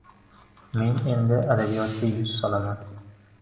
Men endi Adabiyotga yuz solaman.